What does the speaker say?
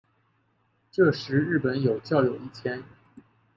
这时日本有教友一千。